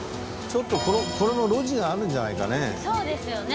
ちょっとこれも路地があるんじゃないかね。